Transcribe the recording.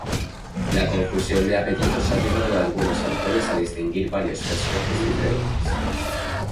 La confusión de apellidos ha llevado a algunos autores a distinguir varios personajes diferentes.